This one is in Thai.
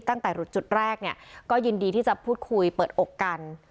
ตั้งแต่หลุดจุดแรกเนี่ยก็ยินดีที่จะพูดคุยเปิดอกกัน